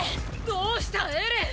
どうしたエレン！！